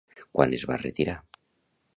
Quan es va retirar?